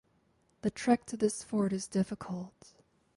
The trek to this fort is difficult.